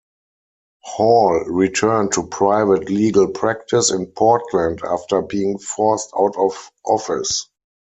Hall returned to private legal practice in Portland after being forced out of office.